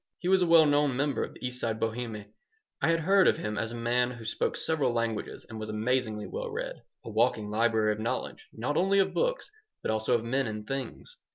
He was a well known member of the East Side Bohème. I had heard of him as a man who spoke several languages and was amazingly well read a walking library of knowledge, not only of books, but also of men and things.